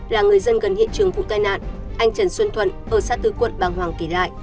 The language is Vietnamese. là người dân gần hiện trường vụ tai nạn anh trần xuân thuận ở xã tư quận bàng hoàng kể lại